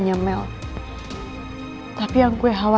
gok ada tuh buat papan